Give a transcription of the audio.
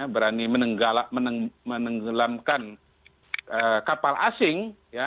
berani menenggelamkan kapal asing